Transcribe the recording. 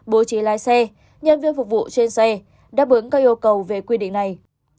bố trí lái xe nhân viên phục vụ trên xe đáp ứng các yêu cầu về quy định này